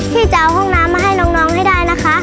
ที่จะเอาห้องน้ำมาให้น้องให้ได้นะคะ